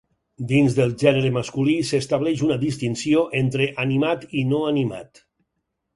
Dins del gènere masculí, s'estableix una distinció entre animat i no animat.